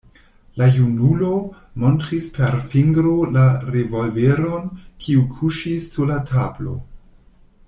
La junulo montris per fingro la revolveron, kiu kuŝis sur la tablo.